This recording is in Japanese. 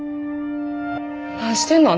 何してんの？